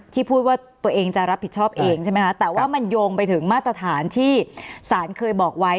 พูดว่าตัวเองจะรับผิดชอบเองใช่ไหมคะแต่ว่ามันโยงไปถึงมาตรฐานที่ศาลเคยบอกไว้